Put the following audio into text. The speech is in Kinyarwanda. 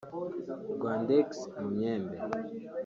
Rwandex-Mu myembe